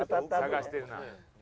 探してるな。